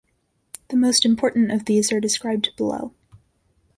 The most important of these are described below.